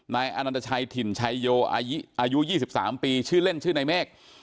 นายอนันตชัยถิ่นชัยโยอายุ๒๓ปีชื่อเล่นชื่อนายเมฆ